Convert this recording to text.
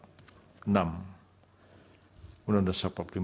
undang undang dasar bab lima